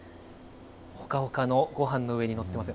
ほかほかのごはんの上に載ってます。